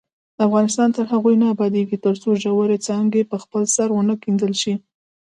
افغانستان تر هغو نه ابادیږي، ترڅو ژورې څاګانې په خپل سر ونه کیندل شي.